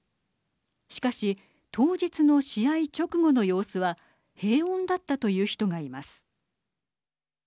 しかし、当日の試合直後の様子は平穏だったという人がいます。